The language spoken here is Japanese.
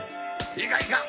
いかんいかん！